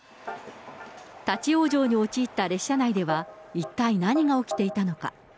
立往生に陥った列車内では一体何が起きていたのか。